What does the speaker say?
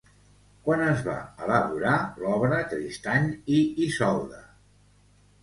Quan es va elaborar l'obra Tristany i Isolda?